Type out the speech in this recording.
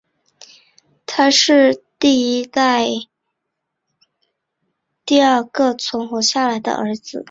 他是第一代什鲁斯伯里伯爵蒙哥马利的罗杰和贝莱姆的梅布尔第二个存活下来的儿子。